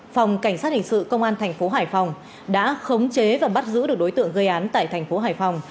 phòng cảnh sát hình sự công an thành phố hải phòng đã khống chế và bắt giữ được đối tượng gây án tại thành phố hải phòng